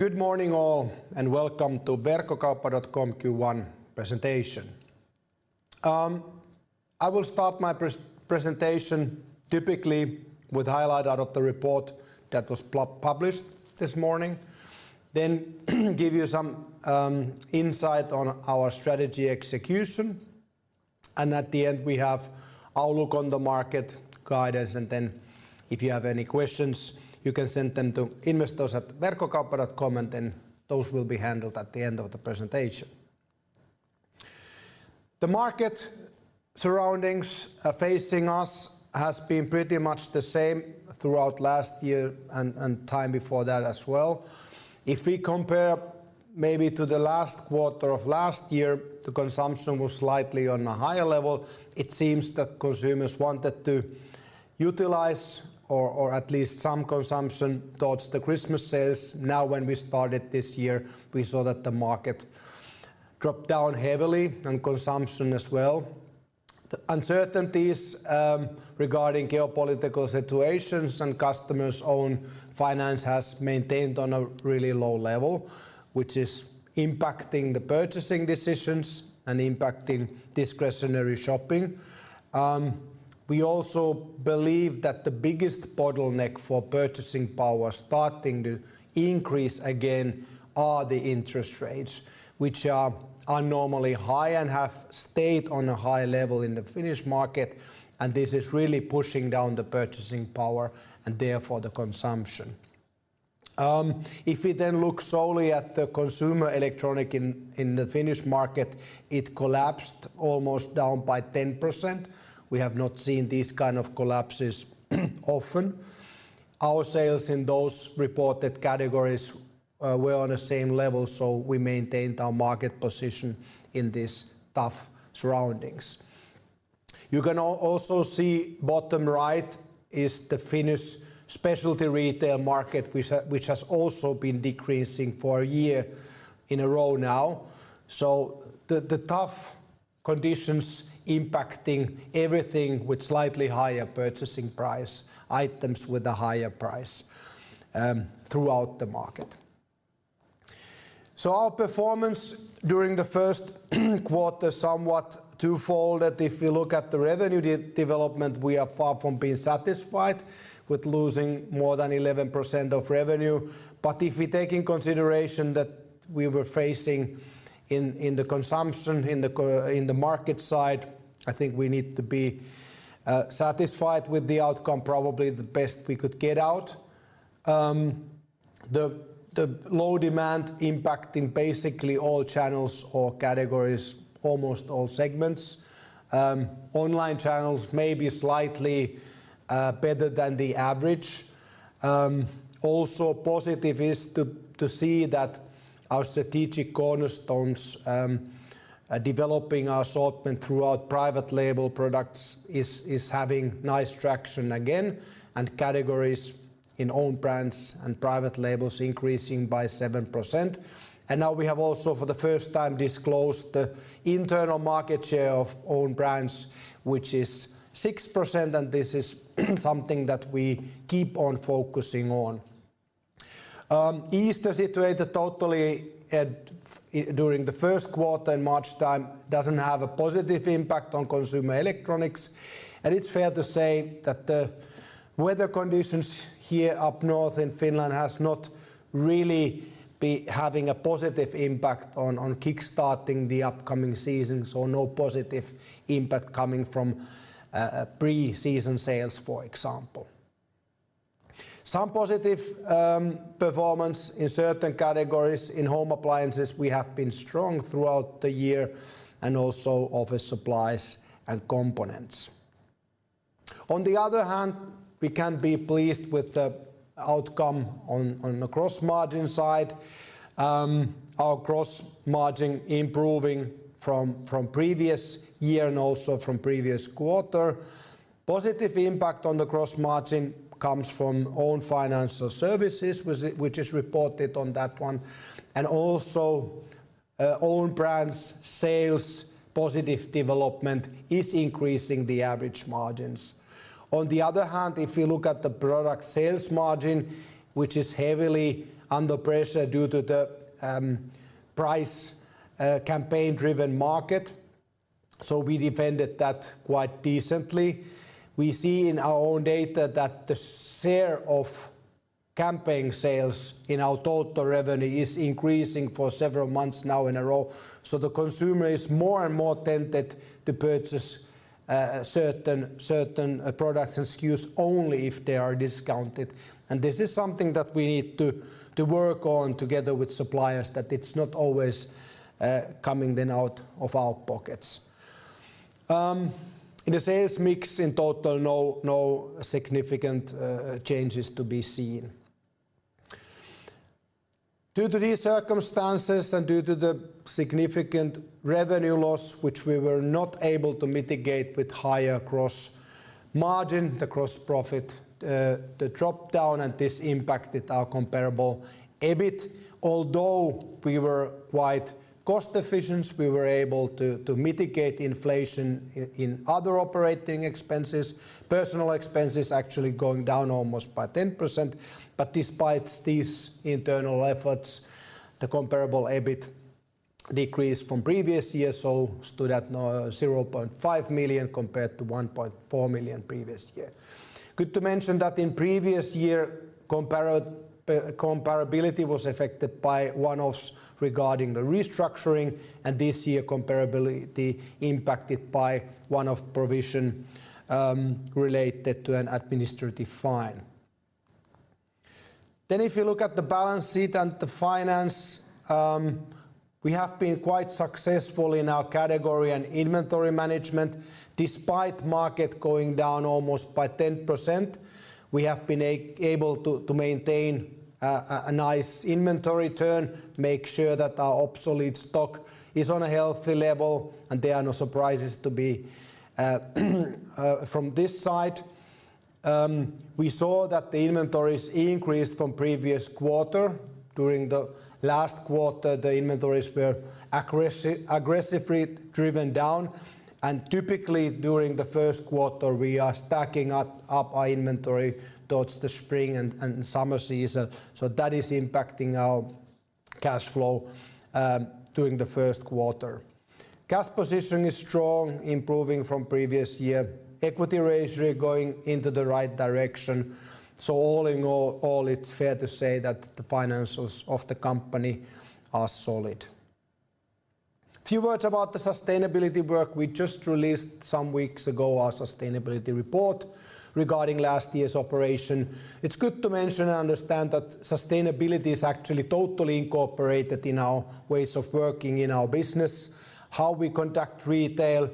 Good morning all and welcome to Verkkokauppa.com Q1 presentation. I will start my presentation typically with a highlight out of the report that was published this morning, then give you some insight on our strategy execution. At the end we have our look on the market guidance, and then if you have any questions you can send them to investors@verkkokauppa.com and then those will be handled at the end of the presentation. The market surroundings facing us have been pretty much the same throughout last year and time before that as well. If we compare maybe to the last quarter of last year the consumption was slightly on a higher level. It seems that consumers wanted to utilize or at least some consumption towards the Christmas sales. Now when we started this year we saw that the market dropped down heavily and consumption as well. The uncertainties regarding geopolitical situations and customers' own finance have maintained on a really low level, which is impacting the purchasing decisions and impacting discretionary shopping. We also believe that the biggest bottleneck for purchasing power starting to increase again are the interest rates, which are abnormally high and have stayed on a high level in the Finnish market. This is really pushing down the purchasing power and therefore the consumption. If we then look solely at the consumer electronics in the Finnish market, it collapsed almost down by 10%. We have not seen these kinds of collapses often. Our sales in those reported categories were on the same level, so we maintained our market position in these tough surroundings. You can also see, bottom right, is the Finnish specialty retail market, which has also been decreasing for a year in a row now. So, the tough conditions impacting everything with slightly higher purchasing price, items with a higher price throughout the market. So, our performance during the first quarter somewhat twofolded. If we look at the revenue development, we are far from being satisfied with losing more than 11% of revenue. But if we take into consideration that we were facing in the consumption in the market side, I think we need to be satisfied with the outcome, probably the best we could get out. The low demand impacting basically all channels or categories, almost all segments. Online channels may be slightly better than the average. Also positive is to see that our strategic cornerstones developing our assortment throughout private label products is having nice traction again. And categories in own brands and private labels increasing by 7%. Now we have also for the first time disclosed the internal market share of own brands, which is 6% and this is something that we keep on focusing on. Easter, situated totally during the first quarter in March time, doesn't have a positive impact on consumer electronics. And it's fair to say that the weather conditions here up north in Finland have not really been having a positive impact on kickstarting the upcoming season. So no positive impact coming from pre-season sales for example. Some positive performance in certain categories, in home appliances we have been strong throughout the year and also office supplies and components. On the other hand, we can be pleased with the outcome on the gross margin side. Our gross margin improving from previous year and also from previous quarter. Positive impact on the gross margin comes from own financial services, which is reported on that one. Also, own brands sales positive development is increasing the average margins. On the other hand, if we look at the product sales margin, which is heavily under pressure due to the price campaign driven market. So we defended that quite decently. We see in our own data that the share of campaign sales in our total revenue is increasing for several months now in a row. So the consumer is more and more tempted to purchase certain products and SKUs only if they are discounted. And this is something that we need to work on together with suppliers, that it's not always coming then out of our pockets. In the sales mix in total, no significant changes to be seen. Due to these circumstances and due to the significant revenue loss, which we were not able to mitigate with higher gross margin, the gross profit dropped down and this impacted our comparable EBIT. Although we were quite cost efficient, we were able to mitigate inflation in other operating expenses. Personnel expenses actually going down almost by 10%. But despite these internal efforts, the comparable EBIT decreased from previous year, so stood at 0.5 million compared to 1.4 million previous year. Good to mention that in previous year comparability was affected by one-offs regarding the restructuring. And this year comparability impacted by one-off provision related to an administrative fine. Then if you look at the balance sheet and the finance, we have been quite successful in our category and inventory management. Despite market going down almost by 10%, we have been able to maintain a nice inventory turn. Make sure that our obsolete stock is on a healthy level and there are no surprises to be from this side. We saw that the inventories increased from previous quarter. During the last quarter the inventories were aggressively driven down. Typically during the first quarter we are stacking up our inventory towards the spring and summer season. That is impacting our cash flow during the first quarter. Cash position is strong improving from previous year. Equity ratio going into the right direction. All in all it's fair to say that the financials of the company are solid. A few words about the sustainability work. We just released some weeks ago our sustainability report regarding last year's operation. It's good to mention and understand that sustainability is actually totally incorporated in our ways of working in our business. How we conduct retail,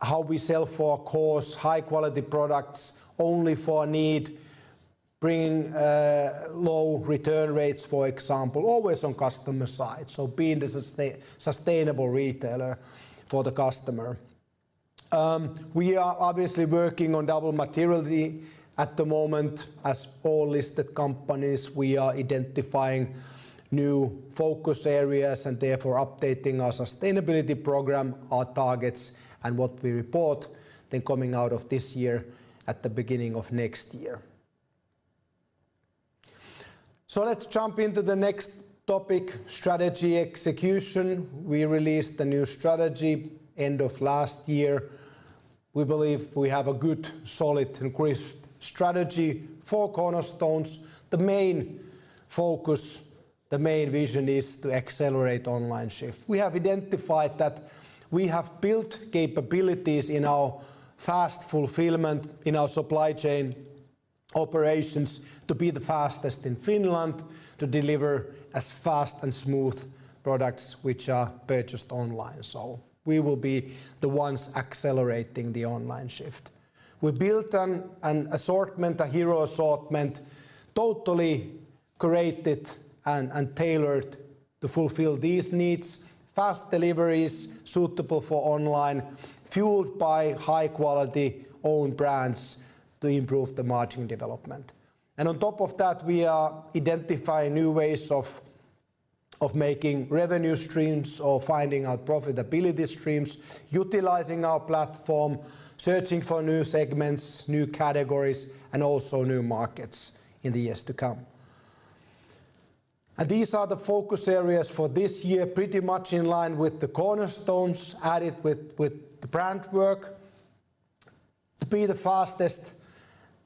how we sell for our costs, high quality products only for a need. Bringing low return rates, for example, always on customer side. So being a sustainable retailer for the customer. We are obviously working on double materiality at the moment. As all listed companies, we are identifying new focus areas and therefore updating our sustainability program, our targets, and what we report, then coming out of this year at the beginning of next year. So let's jump into the next topic: strategy execution. We released the new strategy end of last year. We believe we have a good, solid, and crisp strategy for cornerstones. The main focus, the main vision, is to accelerate online shift. We have identified that we have built capabilities in our fast fulfillment, in our supply chain operations, to be the fastest in Finland. To deliver as fast and smooth products which are purchased online. We will be the ones accelerating the online shift. We built an assortment, a hero assortment, totally curated and tailored to fulfill these needs. Fast deliveries suitable for online, fueled by high quality own brands to improve the margin development. On top of that we are identifying new ways of making revenue streams or finding out profitability streams. Utilizing our platform, searching for new segments, new categories and also new markets in the years to come. These are the focus areas for this year pretty much in line with the cornerstones added with the brand work. To be the fastest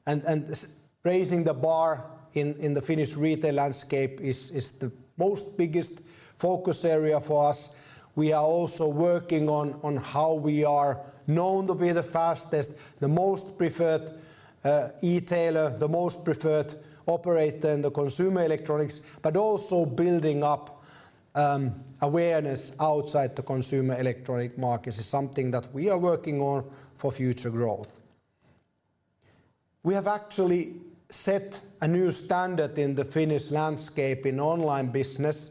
and raising the bar in the Finnish retail landscape is the most biggest focus area for us. We are also working on how we are known to be the fastest, the most preferred retailer, the most preferred operator in the consumer electronics. But also building up awareness outside the consumer electronics market is something that we are working on for future growth. We have actually set a new standard in the Finnish landscape in online business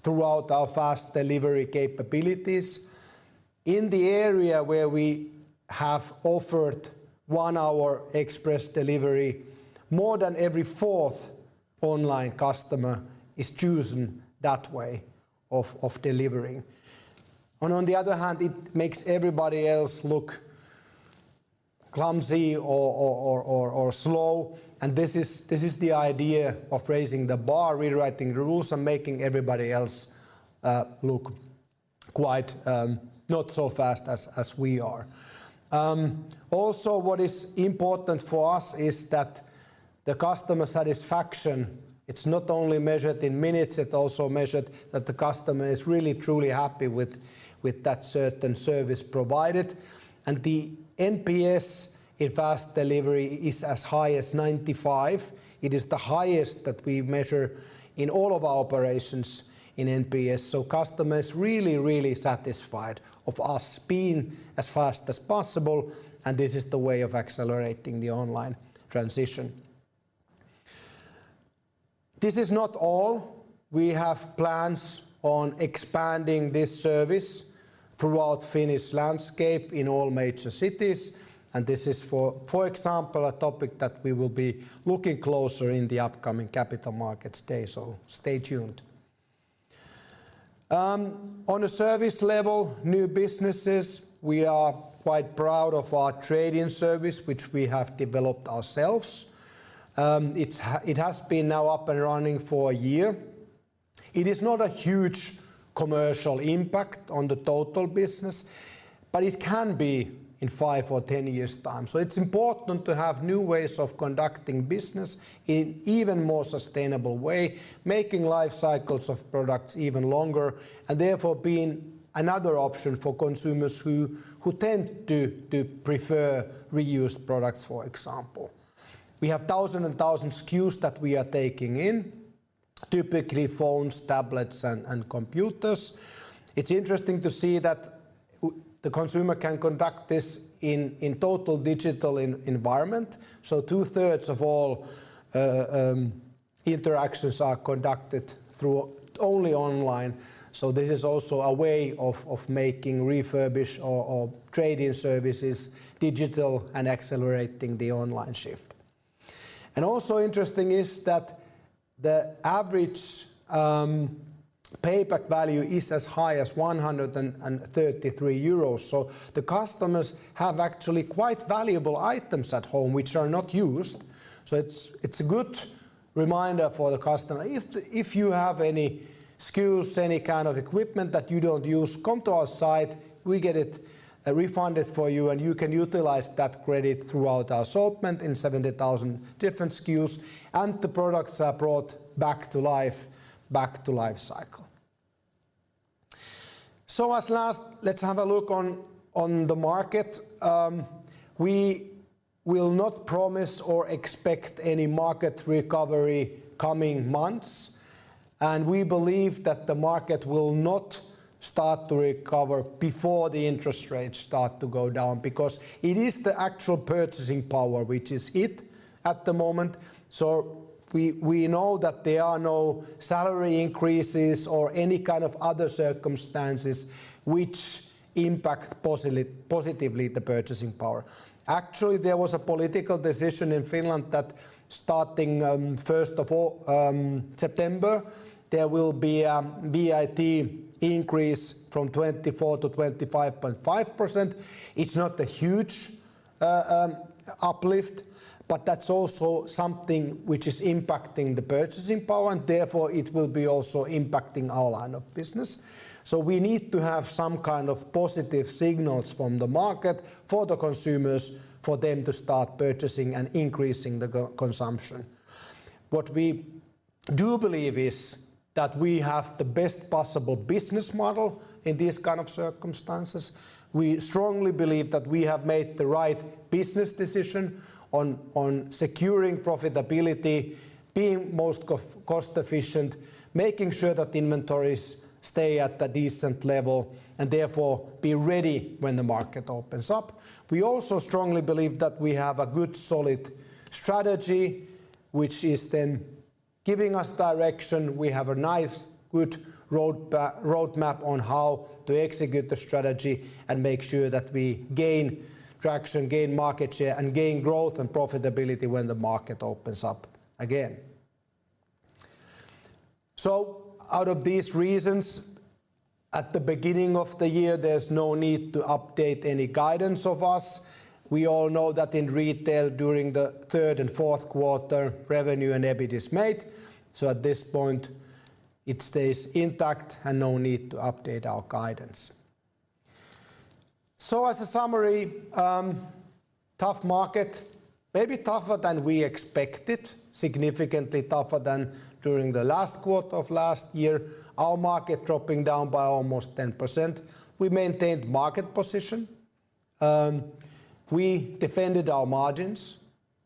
throughout our fast delivery capabilities. In the area where we have offered one-hour express delivery more than every fourth online customer is choosing that way of delivering. And on the other hand it makes everybody else look clumsy or slow. And this is the idea of raising the bar, rewriting the rules and making everybody else look quite not so fast as we are. Also, what is important for us is that the customer satisfaction is not only measured in minutes; it's also measured that the customer is really truly happy with that certain service provided. And the NPS in fast delivery is as high as 95. It is the highest that we measure in all of our operations in NPS. So customers are really, really satisfied of us being as fast as possible. And this is the way of accelerating the online transition. This is not all. We have plans on expanding this service throughout Finnish landscape in all major cities. And this is, for example, a topic that we will be looking closer in the upcoming Capital Markets Day. So stay tuned. On a service level, new businesses, we are quite proud of our trade-in service which we have developed ourselves. It has been now up and running for a year. It is not a huge commercial impact on the total business. But it can be in five or 10 years' time. So it's important to have new ways of conducting business in an even more sustainable way. Making life cycles of products even longer and therefore being another option for consumers who tend to prefer reused products for example. We have thousands and thousands of SKUs that we are taking in. Typically phones, tablets and computers. It's interesting to see that the consumer can conduct this in total digital environment. So 2/3 of all interactions are conducted through only online. So this is also a way of making refurbish or trade-in services digital and accelerating the online shift. And also interesting is that the average payback value is as high as 133 euros. So the customers have actually quite valuable items at home which are not used. So it's a good reminder for the customer. If you have any SKUs, any kind of equipment that you don't use come to our site. We get it refunded for you and you can utilize that credit throughout our assortment in 70,000 different SKUs. And the products are brought back to life, back to life cycle. So at last let's have a look on the market. We will not promise or expect any market recovery coming months. And we believe that the market will not start to recover before the interest rates start to go down. Because it is the actual purchasing power which is it at the moment. So we know that there are no salary increases or any kind of other circumstances which impact positively the purchasing power. Actually there was a political decision in Finland that starting 1st of September there will be a VAT increase from 24% to 25.5%. It's not a huge uplift. That's also something which is impacting the purchasing power and therefore it will be also impacting our line of business. We need to have some kind of positive signals from the market for the consumers, for them to start purchasing and increasing the consumption. What we do believe is that we have the best possible business model in these kind of circumstances. We strongly believe that we have made the right business decision on securing profitability, being most cost efficient, making sure that inventories stay at a decent level and therefore be ready when the market opens up. We also strongly believe that we have a good solid strategy which is then giving us direction. We have a nice good roadmap on how to execute the strategy and make sure that we gain traction, gain market share and gain growth and profitability when the market opens up again. Out of these reasons at the beginning of the year there's no need to update any guidance of us. We all know that in retail during the third and fourth quarter revenue and EBIT is made. At this point it stays intact and no need to update our guidance. As a summary, tough market, maybe tougher than we expected, significantly tougher than during the last quarter of last year. Our market dropping down by almost 10%. We maintained market position. We defended our margins.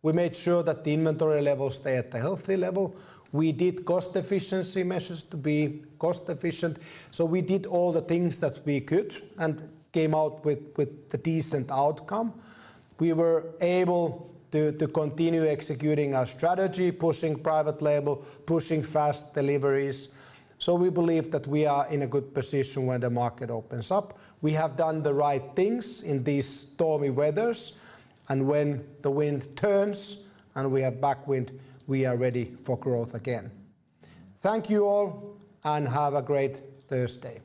We made sure that the inventory level stayed at a healthy level. We did cost efficiency measures to be cost efficient. So we did all the things that we could and came out with a decent outcome. We were able to continue executing our strategy, pushing private label, pushing fast deliveries. So we believe that we are in a good position when the market opens up. We have done the right things in these stormy weathers. And when the wind turns and we have backwind we are ready for growth again. Thank you all and have a great Thursday.